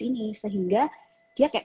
ini sehingga dia kayak